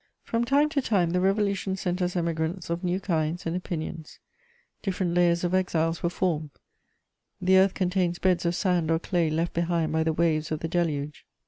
* From time to time the Revolution sent us Emigrants of new kinds and opinions; different layers of exiles were formed: the earth contains beds of sand or clay left behind by the waves of the Deluge.